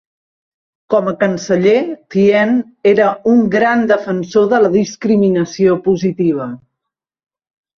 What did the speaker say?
Com a canceller, Tien era un gran defensor de la discriminació positiva.